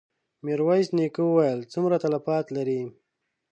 ميرويس نيکه وويل: څومره تلفات لرې؟